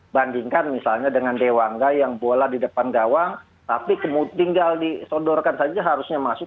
bandingkan misalnya dengan dewangga yang bola di depan gawang tapi tinggal disodorkan saja harusnya masuk